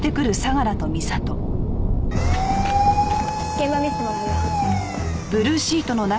現場見せてもらうよ。